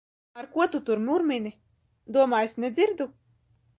Ar ko tu tur murmini? Domā, es nedzirdu!